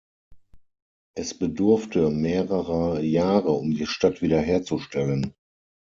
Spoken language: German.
Es bedurfte mehrerer Jahre, um die Stadt wiederherzustellen.